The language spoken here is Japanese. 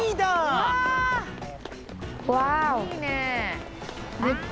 いいね。